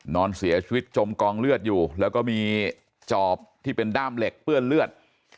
นอนเสียชีวิตจมกองเลือดอยู่แล้วก็มีจอบที่เป็นด้ามเหล็กเปื้อนเลือด